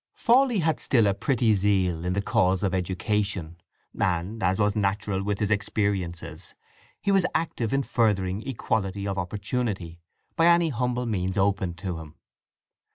Fawley had still a pretty zeal in the cause of education, and, as was natural with his experiences, he was active in furthering "equality of opportunity" by any humble means open to him.